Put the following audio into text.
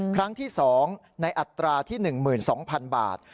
ครั้งที่๒ในอัตราที่๑๒๐๐๐บาท